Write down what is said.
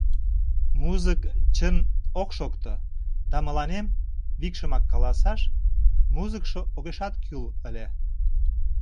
Музык, чын, ок шокто, да мыланем, викшымак каласаш, музыкшо огешат кӱл ыле.